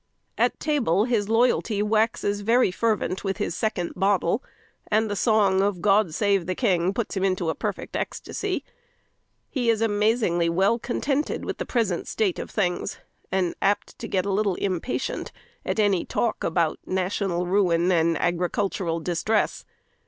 At table his loyalty waxes very fervent with his second bottle, and the song of "God save the King" puts him into a perfect ecstasy. He is amazingly well contented with the present state of things, and apt to get a little impatient at any talk about national ruin and agricultural distress.